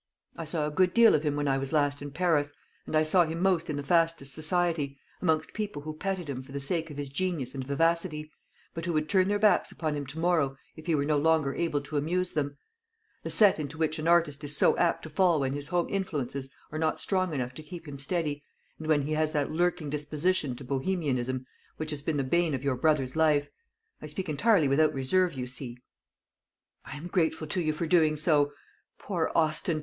I saw a good deal of him when I was last in Paris, and I saw him most in the fastest society, amongst people who petted him for the sake of his genius and vivacity, but who would turn their backs upon him to morrow if he were no longer able to amuse them; the set into which an artist is so apt to fall when his home influences are not strong enough to keep him steady, and when he has that lurking disposition to Bohemianism which has been the bane of your brother's life. I speak entirely without reserve, you see." "I am grateful to you for doing so. Poor Austin!